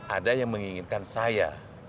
ada yang menginginkan saya